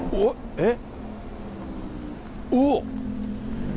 えっ？